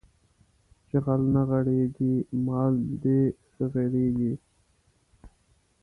چې غل نه غېړيږي مال دې غېړيږي